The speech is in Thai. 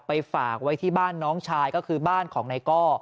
ฝากไว้ที่บ้านน้องชายก็คือบ้านของนายก้อ